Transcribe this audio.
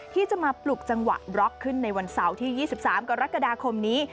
ที่จะมาปลุกจังหวะบล็อกขึ้นในวันเสาร์ที่๒๓กรกฎาคมนี้